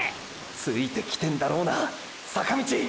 ついてきてんだろうな坂道！！